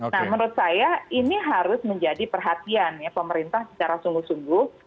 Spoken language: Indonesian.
nah menurut saya ini harus menjadi perhatian ya pemerintah secara sungguh sungguh